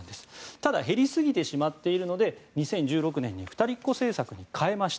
ただ減りすぎてしまっているので２０１６年に二人っ子政策に変えました。